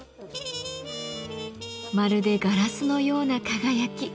まるでガラスのような輝き。